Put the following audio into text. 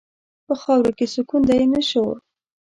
په خاورو کې سکون دی، نه شور.